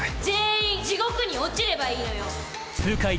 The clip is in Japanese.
「全員地獄に落ちればいいのよ！」